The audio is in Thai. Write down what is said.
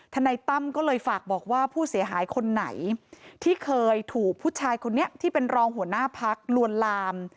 นายตั้มก็เลยฝากบอกว่าผู้เสียหายคนไหนที่เคยถูกผู้ชายคนนี้ที่เป็นรองหัวหน้าพักลวนลาม